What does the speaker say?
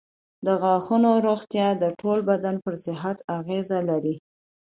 د غاښونو روغتیا د ټول بدن پر صحت اغېز لري.